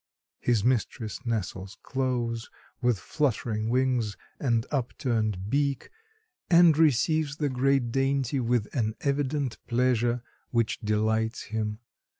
His mistress nestles close, with fluttering wings and upturned beak, and receives the great dainty with an evident pleasure which delights him.